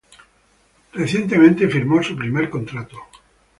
Recientemente firmó su primer contrato.